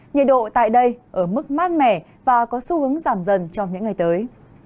nhiệt độ tại đây ở mức mát mẻ và có xu hướng giảm dần trong những ngày tới